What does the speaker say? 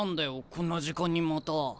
こんな時間にまた。